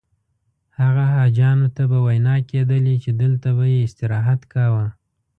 هغه حاجیانو ته به ویناوې کېدلې چې دلته به یې استراحت کاوه.